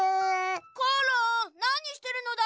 コロンなにしてるのだ？